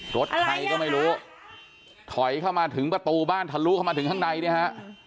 รถใครก็ไม่รู้ถอยเข้ามาถึงประตูบ้านทะลุเข้ามาถึงข้างในเนี่ยฮะ